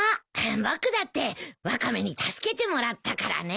僕だってワカメに助けてもらったからね。